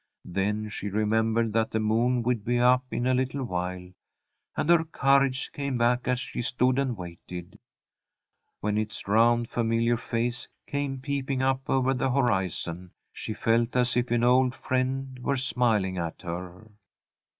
Then she remembered that the moon would be up in a little while, and her courage came back as she stood and waited. When its round, familiar face came peeping up over the horizon, she felt as if an old friend were smiling at her.